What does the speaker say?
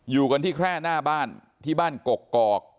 อยู่กันที่แค่หน้าบ้านที่บ้านกกอก